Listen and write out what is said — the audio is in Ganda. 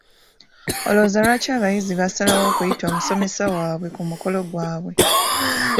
Olowooza lwaki abayizi baasalawo okuyita omusomesa waabwe ku mukolo gwabwe?